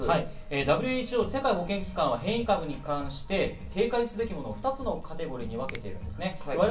ＷＨＯ＝世界保健機関は変異株に関して、警戒すべきもの２つのカテゴリーに分けています。